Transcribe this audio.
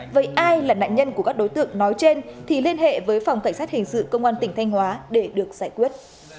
vậy ai là nạn nhân của các đối tượng nói trên thì liên hệ với phòng cảnh sát hình sự công an tỉnh thanh hóa để được giải quyết